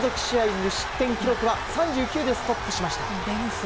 無失点記録は３９でストップしました。